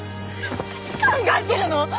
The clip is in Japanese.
何考えてるの！？